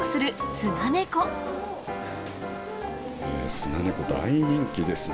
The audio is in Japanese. スナネコ、大人気ですね。